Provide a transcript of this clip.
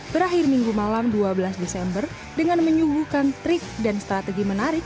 berakhir minggu malam dua belas desember dengan menyuguhkan trik dan strategi menarik